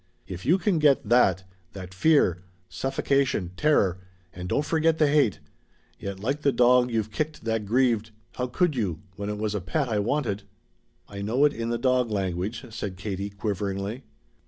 If you can get that that fear, suffocation, terror and don't forget the hate yet like the dog you've kicked that grieved 'How could you when it was a pat I wanted!' " "I know it in the dog language," said Katie quiveringly.